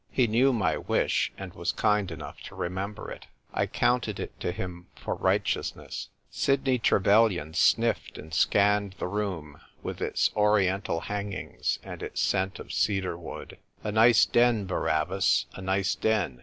He knew my wish, and was kind enough to remember it. I counted it to him for righteousness. Sidney Trevelyan sniff'ed, and scanned the room, with its Oriental hangings, and its scent of cedar wood. "A nice den, Barabbas, a nice den